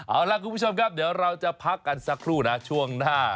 เอาล่ะคุณผู้ชมครับเดี๋ยวเราจะพักกันสักครู่นะช่วงหน้า